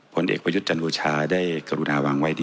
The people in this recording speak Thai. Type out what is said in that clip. ผลเอกประยุทธ์จันโอชาได้กรุณาวางไว้